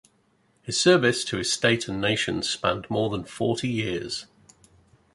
His service to his state and nation spanned more than forty years.